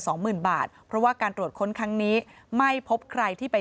สองหมื่นบาทเพราะว่าการตรวจค้นครั้งนี้ไม่พบใครที่ไป